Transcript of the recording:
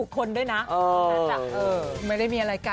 พอติดใจ